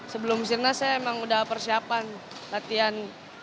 sebelum sirnas saya memang sudah persiapan latihan